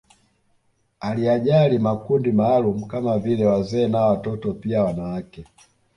Aliyajali makundi maalumu kama vile wazee na watoto pia wanawake